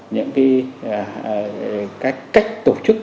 những cái cách tổ chức